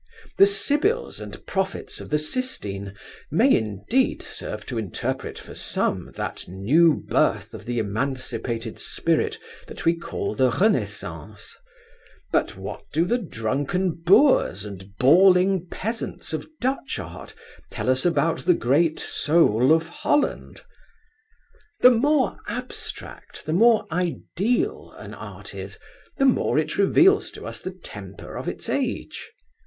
The sibyls and prophets of the Sistine may indeed serve to interpret for some that new birth of the emancipated spirit that we call the Renaissance; but what do the drunken boors and bawling peasants of Dutch art tell us about the great soul of Holland? The more abstract, the more ideal an art is, the more it reveals to us the temper of its age.